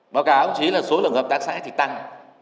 báo cáo chí là số lượng hợp tác xã thì tăng